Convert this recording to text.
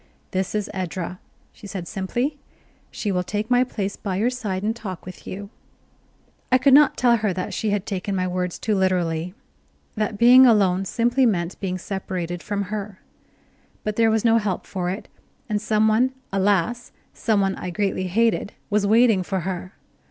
"This is Edra," she said simply. "She will take my place by your side and talk with you." I could not tell her that she had taken my words too literally, that being alone simply meant being separated from her; but there was no help for it, and some one, alas! some one I greatly hated was waiting for her.